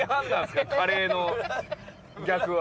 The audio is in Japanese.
カレーの逆は。